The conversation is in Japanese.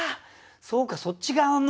そうかそっち側の。